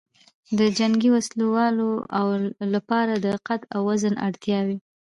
د جنګي وسلو لواو لپاره د قد او وزن اړتیاوې